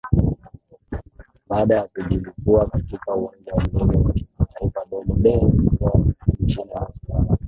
baada ya kujilipua katika uwanja wa ndege wa kimataifa domo de devo nchini moscow